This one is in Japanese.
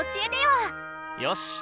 よし！